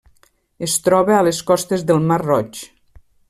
Es troba a les costes del Mar Roig.